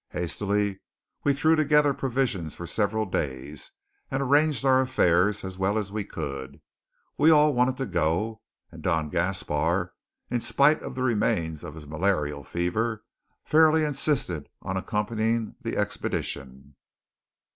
Hastily we threw together provisions for several days, and arranged our affairs as well as we could. We all wanted to go; and Don Gaspar, in spite of the remains of his malarial fever, fairly insisted on accompanying the expedition.